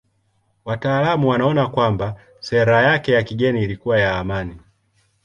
Wataalamu wanaona kwamba sera yake ya kigeni ilikuwa ya amani.